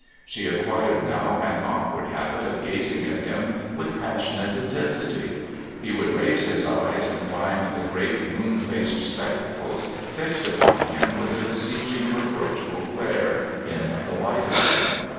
She acquired now an awkward habit of gazing at him with passionate intensity. He would raise his eyes and find the great moon faced spectacles fixed upon him with a beseeching, reproachful glare in the light of them.